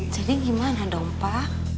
jadi gimana dompa